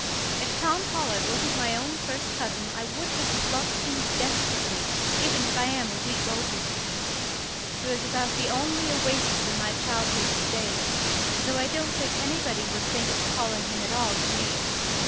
If Tom Pollard wasn't my own first cousin I would have loved him desperately, even if I am a week older than he. He was about the only oasis in my childhood's days, though I don't think anybody would think of calling him at all green.